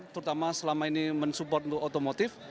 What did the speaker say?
yang ini mensupport untuk otomotif